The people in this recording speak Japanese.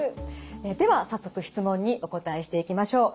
では早速質問にお答えしていきましょう。